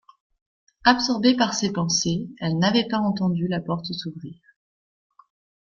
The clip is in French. Absorbée par ses pensées, elle n’avait pas entendu la porte s’ouvrir